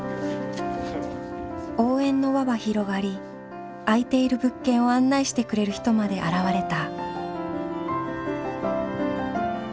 応援の輪は広がり空いている物件を案内してくれる人まで現れた。